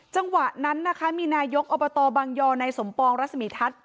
จังหวะนั้นนะคะมีนายกอบตบางยอในสมปองรัศมีทัศน์